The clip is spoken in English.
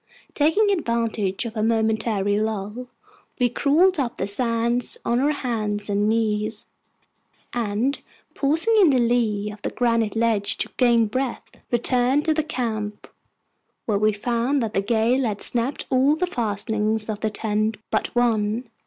Taking advantage of a momentary lull, we crawled up the sands on our hands and knees, and, pausing in the lee of the granite ledge to gain breath, returned to the camp, where we found that the gale had snapped all the fastenings of the tent but one.